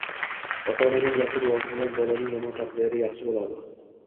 Ota-onaning yaxshi duosi bilan bolaning yomon taqdiri yaxshi bo‘ladi